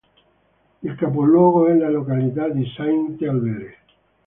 Il capoluogo è la località di Sainte-Alvère.